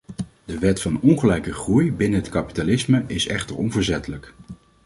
De wet van ongelijke groei binnen het kapitalisme is echter onverzettelijk.